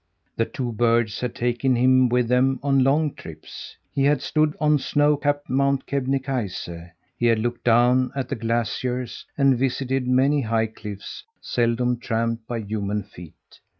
The two birds had taken him with them on long trips. He had stood on snow capped Mount Kebnekaise, had looked down at the glaciers and visited many high cliffs seldom tramped by human feet.